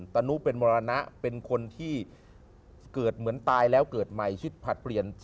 ตนุเป็นมรณะเป็นคนที่เกิดเหมือนตายแล้วเกิดใหม่ชิดผลัดเปลี่ยน